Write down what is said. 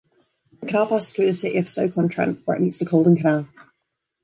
The canal passes through the city of Stoke-on-Trent, where it meets the Caldon Canal.